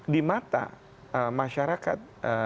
di mata masyarakat